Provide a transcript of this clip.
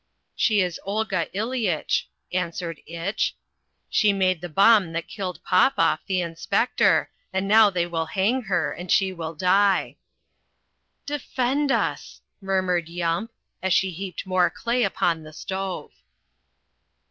"She is Olga Ileyitch," answered Itch, "She made the bomb that killed Popoff, the inspector, and now they will hang her and she will die." "Defend us!" murmured Yump, as she heaped more clay upon the stove.